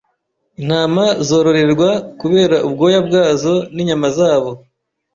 Intama zororerwa kubera ubwoya bwazo ninyama zabo.